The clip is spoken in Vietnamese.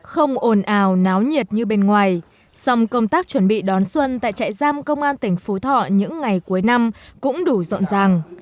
không ồn ào náo nhiệt như bên ngoài song công tác chuẩn bị đón xuân tại trại giam công an tỉnh phú thọ những ngày cuối năm cũng đủ rộn ràng